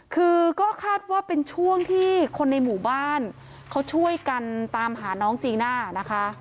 คือก็คาดว่าเป็นช่วงที่คนในหมู่บ้านเขาช่วยกันตามหาน้องจีน่านะคะ